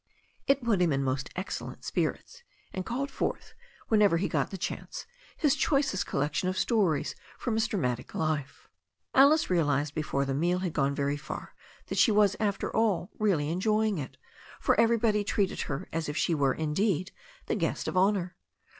It put him in most excellent spirits, and called forth, whenever he got the chance, his choicest collection of stories from his dra« matic life. Alice realized before the meal had gone very far, that she was, after all, really enjoying it, for everybody treated her as if she were, indeed, the guest of honour.